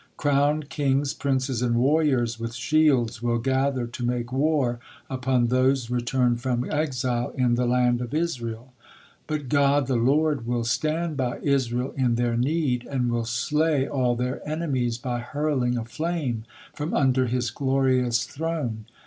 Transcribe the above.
Crowned kings, princes, and warriors with shields will gather to make war upon those returned from exile in the land of Israel. But God, the Lord, will stand by Israel in their need and will slay all their enemies by hurling a flame from under His glorious Throne.